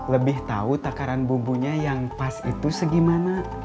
lebih tahu takaran bumbunya yang pas itu segimana